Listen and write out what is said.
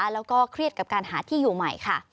แล้วก็เครียดกับการหาที่อยู่ใหม่ค่ะ